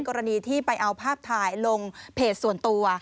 กรณีที่ไปเอาภาพถ่ายลงเพจส่วนตัว